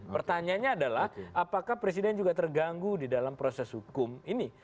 pertanyaannya adalah apakah presiden juga terganggu di dalam proses hukum ini